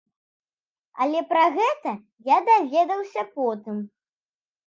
Але пра гэта я даведаўся потым.